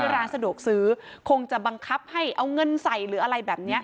ร้านสะดวกซื้อคงจะบังคับให้เอาเงินใส่หรืออะไรแบบนี้